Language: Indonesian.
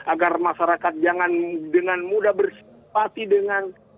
agar masyarakat jangan dengan mudah bersimpati dengan